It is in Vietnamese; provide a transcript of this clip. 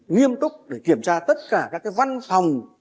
nghiêm túc để kiểm tra tất cả các văn phòng